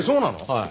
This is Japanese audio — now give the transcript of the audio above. はい。